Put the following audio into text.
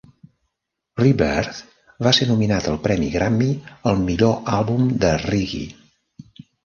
"Rebirth" va ser nominat al premi Grammy al 'Millor àlbum de reggae'.